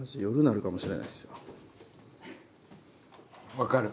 分かる。